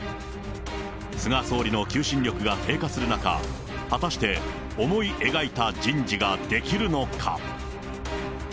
菅総理の求心力が低下する中、果たして思い描いた人事ができるのか。